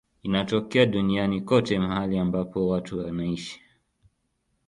Inatokea duniani kote mahali ambapo watu wanaishi.